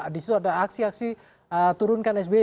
di situ ada aksi aksi turunkan sby